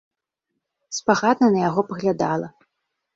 Спагадна на яго паглядала.